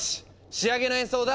仕上げの演奏だ！